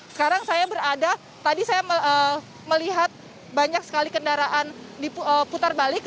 sekarang saya berada tadi saya melihat banyak sekali kendaraan diputar balik